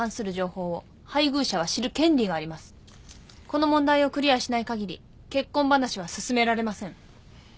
この問題をクリアしないかぎり結婚話は進められません。